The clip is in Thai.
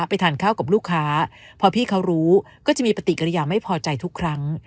ไปทานข้าวกับลูกค้าพอพี่เขารู้ก็จะมีปฏิกิริยาไม่พอใจทุกครั้ง